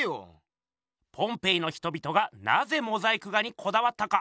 ポンペイの人々がなぜモザイク画にこだわったか？